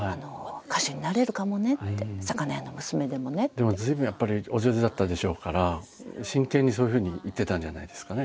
でも随分やっぱりお上手だったでしょうから真剣にそういうふうに言ってたんじゃないですかね。